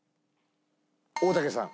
大竹さん。